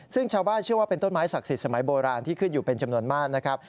ซึ่งชาวบ้านเชื่อว่าเป็นต้นไม้ศักดิ์สมัยโบราณที่ขึ้นอยู่เป็นจำนวนมากนะครับ